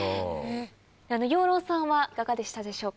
養老さんはいかがでしたでしょうか？